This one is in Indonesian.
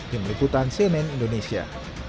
di meliputan cnn indonesia